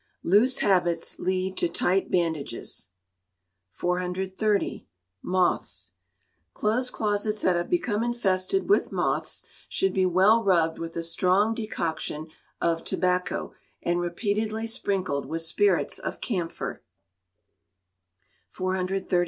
[LOOSE HABITS LEAD TO TIGHT BANDAGES.] 430. Moths. Clothes closets that have become infested with moths, should be well rubbed with a strong decoction of tobacco, and repeatedly sprinkled with spirits of camphor.